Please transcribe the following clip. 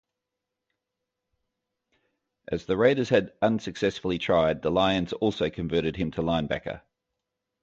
As the Raiders had unsuccessfully tried, the Lions also converted him to linebacker.